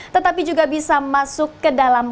tetapi juga bisa masuk ke dalam